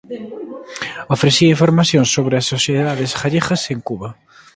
Ofrecía información sobre as sociedades galegas en Cuba.